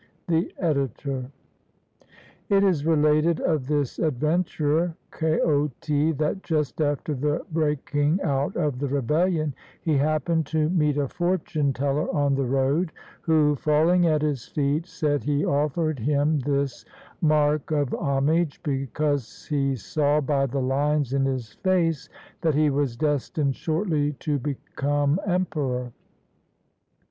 The Editor.] It is related of this adventurer [Kaoti] that just after the breaking out of the rebellion he happened to meet a 49 CHINA fortune teller on the road, who, falling at his feet, said he offered him this mark of homage because he saw by the lines in his face that he was destined shortly to become emperor.